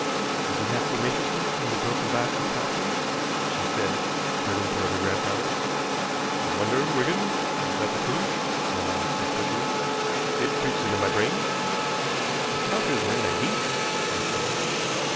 "You do not seem interested in the broken box of counters?" she said, turning toward her grandfather. "I wonder, Wigan is that the clew?" Quarles said quickly. "It creeps into my brain." "The counters were in a heap," I said.